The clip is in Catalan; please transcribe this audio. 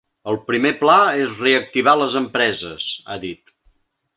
El primer pla és reactivar les empreses, ha dit.